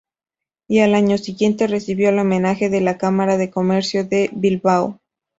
Y al año siguiente recibió el homenaje de la Cámara de Comercio de Bilbao.